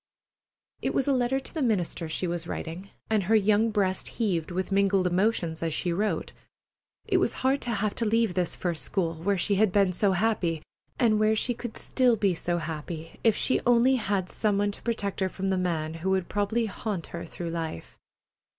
It was a letter to the minister she was writing, and her young breast heaved with mingled emotions is she wrote. It was hard to have to leave this first school, where she had been so happy, and where she could still be so happy if she only had some one to protect her from the man who would probably haunt her through life.